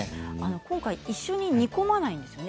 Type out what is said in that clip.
今回、一緒に煮込まないんですよね